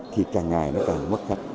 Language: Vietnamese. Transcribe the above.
thì càng ngày nó càng mất khách